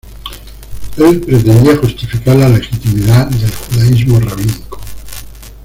Él pretendía justificar la legitimidad del judaísmo rabínico.